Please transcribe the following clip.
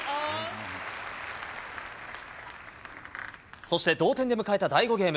そして同点で迎えた第５ゲーム。